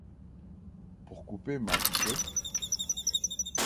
Pour couper ma piquette.